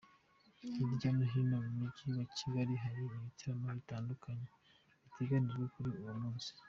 Hirya no hino mu mujyi wa Kigali hari ibitaramo bitandukanye biteganijwe kuri uwo munsi.